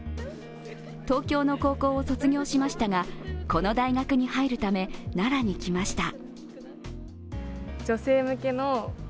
東京の高校を卒業しましたが、この大学に入るため、奈良に来ました。